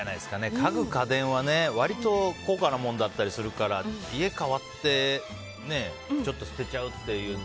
家具・家電は割と高価なものだったりするから家が変わってちょっと捨てちゃうっていうと。